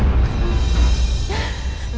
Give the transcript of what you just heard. karena gak baik untuk perkembangannya siva